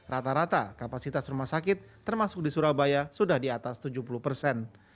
rata rata kapasitas rumah sakit termasuk di surabaya sudah di atas tujuh puluh persen